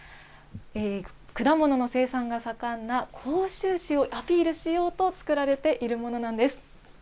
果物の生産が盛んな甲州市をアピールしようと、作られているものなんです。